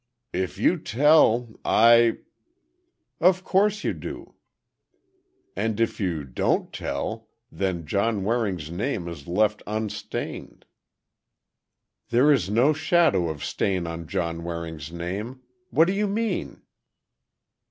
"If you tell—I—" "Of course you do." "And if you don't tell—then John Waring's name is left unstained—" "There is no shadow of stain on John Waring's name! What do you mean?"